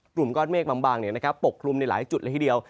กลุ่มก้อนเมฆบางบางเนี้ยนะครับปกกลุ่มในหลายจุดละทีเดียว